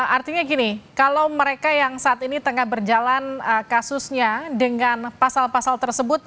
artinya gini kalau mereka yang saat ini tengah berjalan kasusnya dengan pasal pasal tersebut